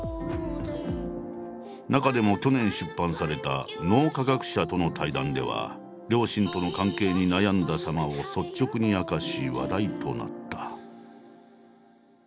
中でも去年出版された脳科学者との対談では両親との関係に悩んださまを率直に明かし話題となった。